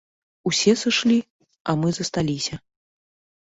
Усе сышлі, а мы засталіся.